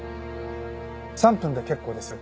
３分で結構です。